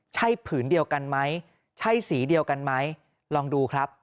ใช่ผืนเดียวกันไหมใช่สีเดียวกันไหมลองดูครับ